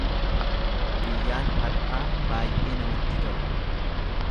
Guyyaan har'aa baay'ee namatti tola.